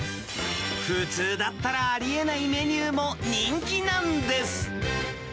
普通だったらありえないメニューも人気なんです。